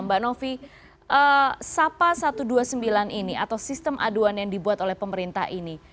mbak novi sapa satu ratus dua puluh sembilan ini atau sistem aduan yang dibuat oleh pemerintah ini